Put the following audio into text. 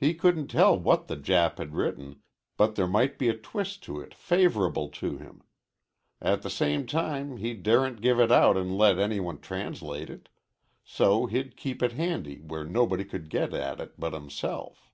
He couldn't tell what the Jap had written, but there might be a twist to it favorable to him. At the same time he daren't give it out and let any one translate it. So he'd keep it handy where nobody could get at it but himself."